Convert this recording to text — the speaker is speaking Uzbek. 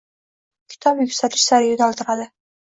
Kitob yuksalish sari yo‘naltiradi.